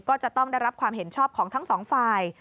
ก็จะต้องได้รับความเห็นชอบของทั้งสองฝ่าย